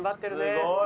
すごい。